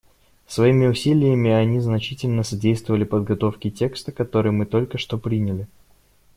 Своими усилиями они значительно содействовали подготовке текста, который мы только что приняли.